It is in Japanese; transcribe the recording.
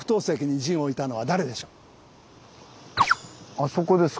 あそこですか？